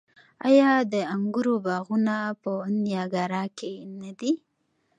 آیا د انګورو باغونه په نیاګرا کې نه دي؟